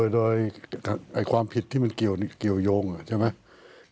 โดยความผิดที่มันเกี่ยวยงใช่ไหม